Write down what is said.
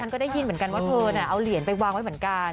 ก็ได้ยินเหมือนกันว่าเธอเอาเหรียญไปวางไว้เหมือนกัน